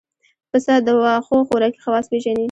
پسه د واښو خوراکي خواص پېژني.